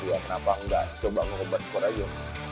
ya kenapa gak coba nge combat sport aja